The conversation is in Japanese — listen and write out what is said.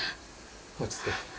落ち着け